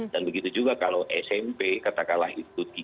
dan begitu juga kalau smp katakanlah itu tiga puluh dua